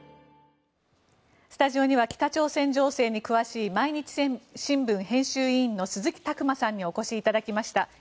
スタジオには北朝鮮情勢に詳しい毎日新聞編集委員の鈴木琢磨さんにお越しいただきました。